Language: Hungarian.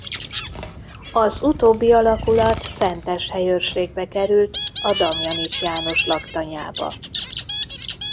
Az utóbbi alakulat Szentes helyőrségbe került a Damjanich János Laktanyába.